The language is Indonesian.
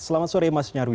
selamat sore mas nyarwi